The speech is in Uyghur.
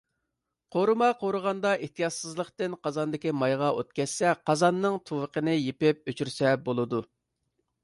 قورۇما قورۇغاندا ئېھتىياتسىزلىقتىن قازاندىكى مايغا ئوت كەتسە، قازاننىڭ تۇۋىقىنى يېپىپ ئۆچۈرسە بولىدۇ.